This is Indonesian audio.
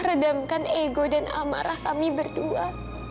redamkan ego dan amarah kami berdua